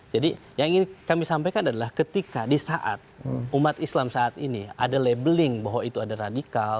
jadi yang ingin kami sampaikan adalah ketika di saat umat islam saat ini ada labeling bahwa itu ada radikal